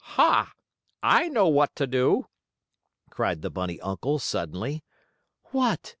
"Ha! I know what to do!" cried the bunny uncle, suddenly. "What?"